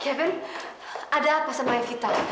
kevin ada apa sama evita